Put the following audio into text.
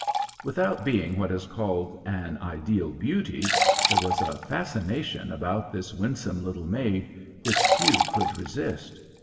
Without being what is called an ideal beauty, there was a fascination about this winsome little maid which few could resist.